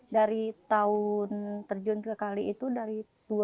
dari tahun terjun ke kali itu dari dua ribu